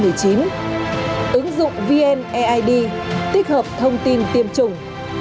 ứng dụng vn eid tích hợp thông tin tiêm chủng